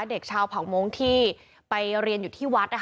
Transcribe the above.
เด็กชาวเผามงค์ที่ไปเรียนอยู่ที่วัด